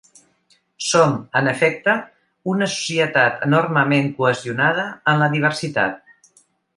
Som, en efecte, una societat enormement cohesionada en la diversitat.